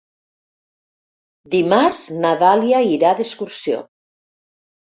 Dimarts na Dàlia irà d'excursió.